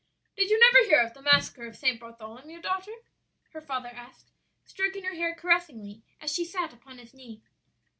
"Did you never hear of the massacre of St. Bartholomew, daughter?" her father asked, stroking her hair caressingly as she sat upon his knee.